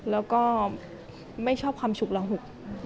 แล้วก็ไม่ชอบความฉุกระหุก